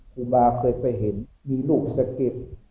ครูบาเคยไปเห็นมีลูกสะเก็ด